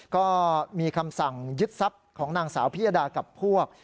ก็มีคำสั่งยึดทรัพย์ของนางสาวพิยดากับพวก